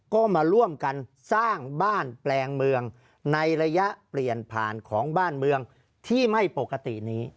ก็มาร่วมกันสร้างบ้านแปลงเมืองในระยะเปลี่ยนผ่านของบ้านเมืองที่ไม่ปกตินี้